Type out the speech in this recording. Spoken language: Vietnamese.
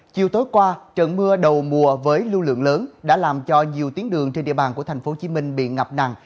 chiều tối qua trận mưa đầu mùa với lưu lượng lớn đã làm cho nhiều tuyến đường trên địa bàn của tp hcm bị ngập nặng